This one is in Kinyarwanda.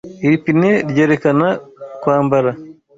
Iri pine ryerekana kwambara.